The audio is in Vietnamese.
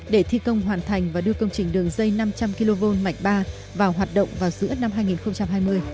để thi công hoàn thành và đưa công trình đường dây năm trăm linh kv mạch ba vào hoạt động vào giữa năm hai nghìn hai mươi